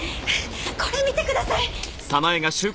これ見てください！